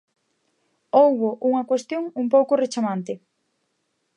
Houbo unha cuestión un pouco rechamante.